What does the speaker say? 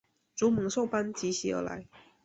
如猛兽般疾驶而来